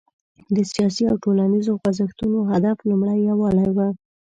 د سیاسي او ټولنیزو خوځښتونو هدف لومړی یووالی و.